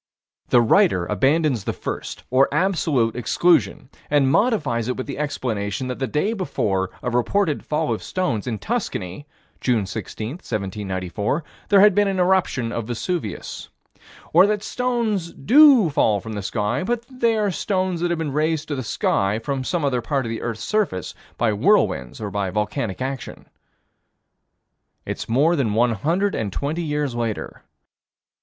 The writer abandons the first, or absolute, exclusion, and modifies it with the explanation that the day before a reported fall of stones in Tuscany, June 16, 1794, there had been an eruption of Vesuvius Or that stones do fall from the sky, but that they are stones that have been raised to the sky from some other part of the earth's surface by whirlwinds or by volcanic action. It's more than one hundred and twenty years later.